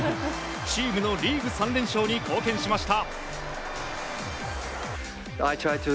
チームのリーグ３連勝に貢献しました。